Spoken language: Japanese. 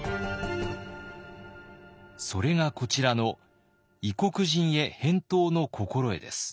それがこちらの「異国人江返答之心得」です。